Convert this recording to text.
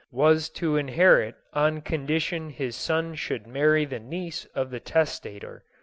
was to inherit on condition his son should marry the niece of the testator.